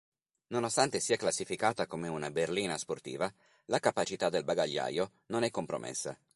Nonostante sia classificata come una berlina sportiva, la capacità del bagagliaio non è compromessa.